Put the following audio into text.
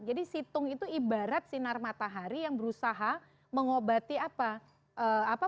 jadi situng itu ibarat sinar matahari yang berusaha mengobati apa